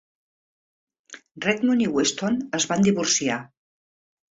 Redmond i Weston es van divorciar.